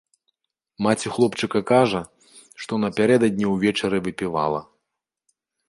Маці хлопчыка кажа, што напярэдадні ўвечары выпівала.